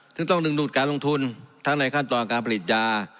ซึ่งต้องดึงดูดการลงทุนทั้งในขั้นตอนการผลิตยา